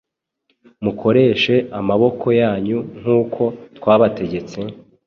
mukoreshe amaboko yanyu, nk’uko twabategetse,